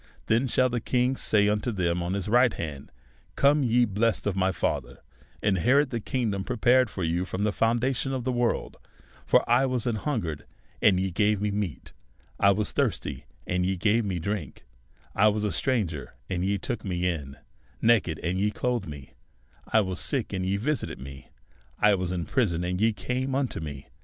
Then shall the DEVOUT AND HOLY LIFE. 61 King say unto them on his right hand. Come ye bless ed of my Father, inherit the kingdom prepared for you fi'om the foundation of the world, i'or 1 was an hungered, and ye gave me meat ; I was thirsty, and ye gave me drink ; I was a stranger, and ye took me in ; naked, and ye clothed me ; 1 was sick, ond ye vi sited me ; I was in prison, and ye came unto me.